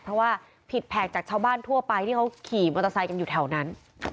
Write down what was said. เพราะว่าผิดแผกจากชาวบ้านทั่วไปที่เขาขี่มอเตอร์ไซค์กันอยู่แถวนั้น